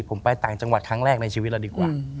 ผมไปต่างจังหวัดครั้งแรกในชีวิตเราดีกว่า